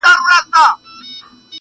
کلي ورو ورو ارامېږي,